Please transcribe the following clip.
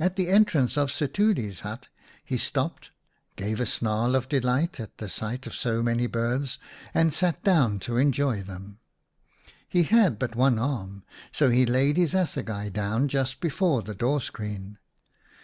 At the entrance of Setuli' s hut he stopped, gave a snarl of delight at the 12 i Or, the King of the Birds sight of so many birds, and sat down to enjoy them. He had but one arm, so he laid his assegai down just before the door screen.